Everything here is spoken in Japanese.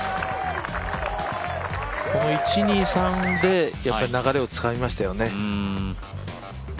この１、２、３で流れをつかみましたよね。